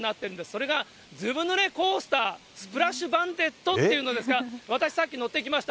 それがずぶぬれコースタースプラッシュバンデットっていうんですが、私、さっき乗ってきました。